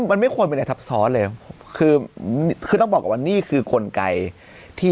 มันไม่ควรเป็นอะไรทับซ้อนเลยคือคือต้องบอกก่อนว่านี่คือกลไกที่